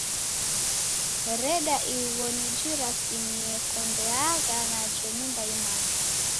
Reda igho nijirasimie kondeagha najo nyumba imange!